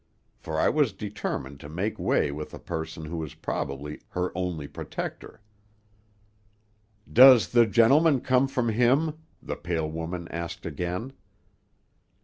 for I was determined to make way with a person who was probably her only protector. "'Does the gentleman come from him?' the pale woman asked again.